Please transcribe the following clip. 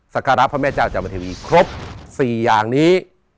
สการะพระแม่เจ้าจำนทีวีครบ๔อย่างนี้